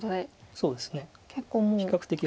そうですね。